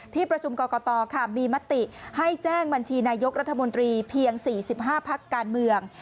ที่ประชุมกรกตค่ะมีมติให้แจ้งบัญชีนายกรัฐมนตรีเพียง๔๕พักการเมือง